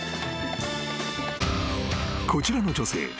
［こちらの女性。